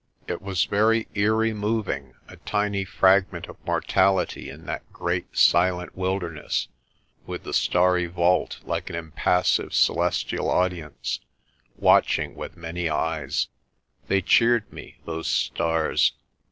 It was very eerie moving, a tiny fragment of mor COLLAR OF PRESTER JOHN 169 tality, in that great wide silent wilderness, with the starry vault, like an impassive celestial audience, watching with many eyes. They cheered me, those stars.